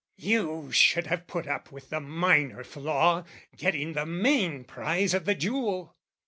"You should have put up with the minor flaw, "Getting the main prize of the jewel.